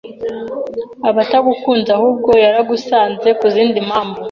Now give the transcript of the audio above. aba atagukunze ahubwo yaragusanze ku zindi mpamvu